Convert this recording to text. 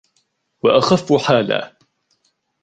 وَأَخَفُّ حَالًا